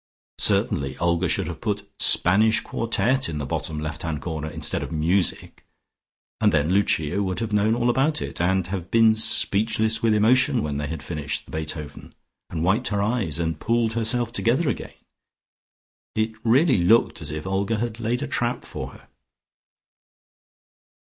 Certainly Olga should have put "Spanish Quartet" in the bottom left hand corner instead of "Music" and then Lucia would have known all about it, and have been speechless with emotion when they had finished the Beethoven, and wiped her eyes, and pulled herself together again. It really looked as if Olga had laid a trap for her....